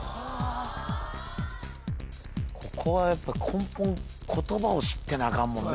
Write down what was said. ここはやっぱ根本言葉を知ってなあかんもんね